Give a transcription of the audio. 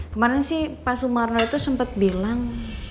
kemaren sih pak sumarno itu sempet bilang